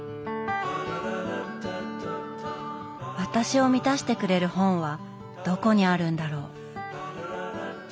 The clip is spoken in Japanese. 私を満たしてくれる本はどこにあるんだろう。